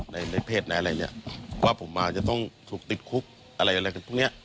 ในเพศในอะไรเนี่ยว่าผมอาจจะต้องถูกติดคุกอะไรอะไรพวกเนี้ย